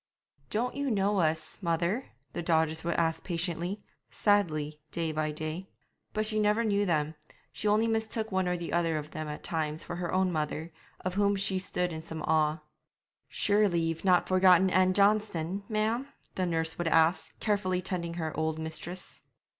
'Don't you know us, mother?' the daughters would ask patiently, sadly, day by day. But she never knew them; she only mistook one or the other of them at times for her own mother, of whom she stood in some awe. 'Surely ye've not forgotten Ann Johnston, ma'am?' the nurse would ask, carefully tending her old mistress.